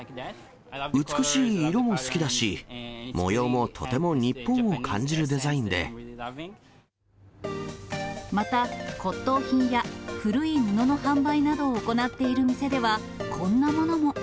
美しい色も好きだし、模様もとてまた、骨とう品や古い布の販売などを行っている店では、こんなものも。